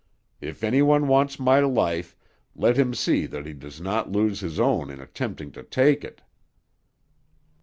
If any one wants my life, let him see that he does not lose his own in attempting to take it."